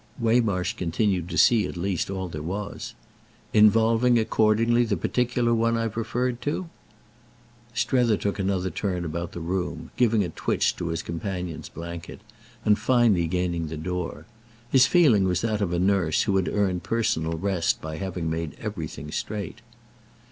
Waymarsh continued to see at least all there was. "Involving accordingly the particular one I've referred to?" Strether took another turn about the room, giving a twitch to his companion's blanket and finally gaining the door. His feeling was that of a nurse who had earned personal rest by having made everything straight.